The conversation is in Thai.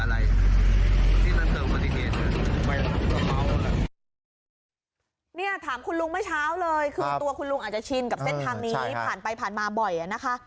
เนี่ยถามคุณลุงเมื่อเช้าเลยคือตัวคุณลุงอาจจะชินกับเส้นทางนี้ผ่านไปผ่านมาบ่อยนะคะ